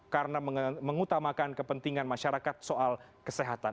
karena mengutamakan kepentingan masyarakat soal kesehatan